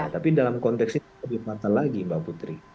tapi dalam konteks ini lebih matang lagi mbak putri